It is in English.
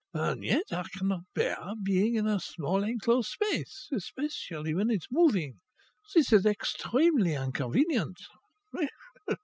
And yet I cannot bear being in a small enclosed space, especially when it's moving. This is extremely inconvenient.